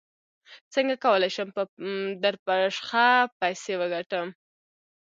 څنګه کولی شم په درپشخه پیسې وګټم